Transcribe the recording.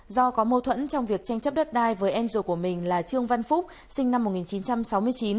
do có mâu thuẫn trong việc tranh chấp đất đai với em ruột của mình là trương văn phúc sinh năm một nghìn chín trăm sáu mươi chín